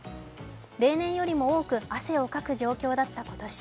例年よりも多く汗をかく状況だった今年。